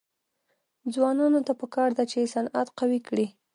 ځوانانو ته پکار ده چې، صنعت قوي کړي.